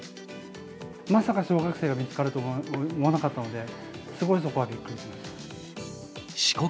まさか小学生が見つけるとは思わなかったので、すごいそこはびっ四国